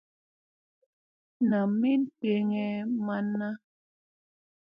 Nam mi ɓegee man na.